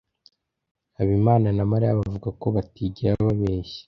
habimana na mariya bavuga ko batigera babeshya